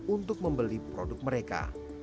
untuk membeli produk mereka